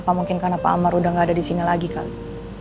apa mungkin karena pak amar udah gak ada di sini lagi kali